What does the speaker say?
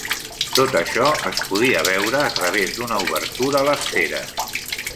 Tot això es podia veure a través d'una obertura a l'esfera.